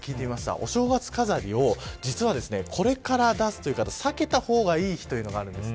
お正月飾りを実は、これから出すという方避けた方がいい日というのがあるんです。